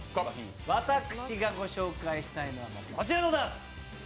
私がご紹介したいのはこちらでございます。